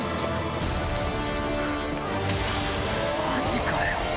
マジかよ！